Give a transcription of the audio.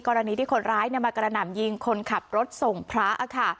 กรณีที่คนร้ายมากระหน่ำยิงคนขับรถส่งพระค่ะ